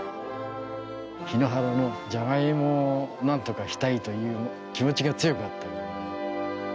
檜原のじゃがいもをなんとかしたいという気持ちが強かった。